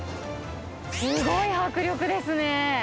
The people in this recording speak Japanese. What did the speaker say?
すごい迫力ですね。